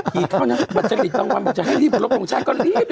กี่เท่านั้นบันเจริษตั้งวันบอกจะให้รีบถูกแต่งชาก็รีบ